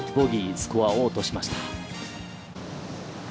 スコアを落としました。